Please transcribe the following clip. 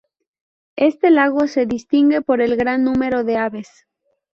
Este lago se distingue por el gran número de aves.